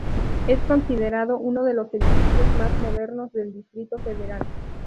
Es considerado uno de los edificios más modernos del Distrito Federal.